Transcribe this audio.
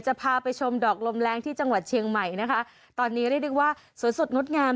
จะพาไปชมดอกลมแรงที่จังหวัดเชียงใหม่นะคะตอนนี้ก็ได้ดึกว่าสวยสดนุษย์งาม